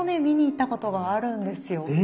見に行ったことがあるんですよ。